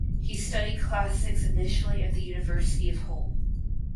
He studied Classics initially at the University of Hull.